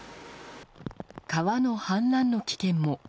川の氾濫の危険も。